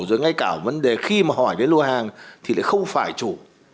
rồi ngay cả vấn đề khi mà hỏi đến lô hàng thì lại không phải chủ